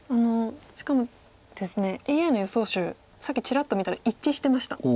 しかもですねＡＩの予想手さっきちらっと見たら一致してました。